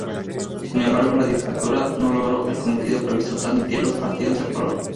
Sin embargo, la dictadura no logró el cometido previsto; transmitir los partidos a color.